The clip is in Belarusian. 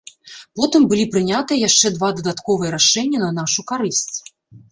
Потым былі прынятыя яшчэ два дадатковыя рашэнні на нашу карысць.